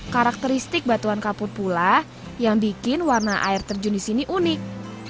karakteristik batuan kapur pula yang bikin warna air terjun di sini unik